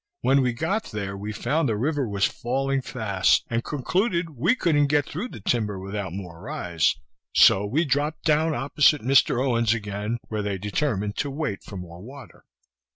When we got there, we found the river was falling fast, and concluded we couldn't get through the timber without more rise; so we drop'd down opposite Mr. Owens' again, where they determined to wait for more water.